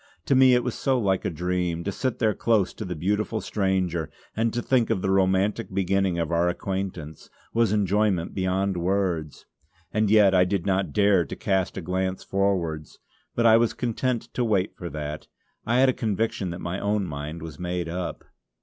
To me it was so like a dream. To sit there close to the beautiful stranger, and to think of the romantic beginning of our acquaintance, was enjoyment beyond words. As yet I did not dare to cast a glance forwards; but I was content to wait for that. I had a conviction that my own mind was made up.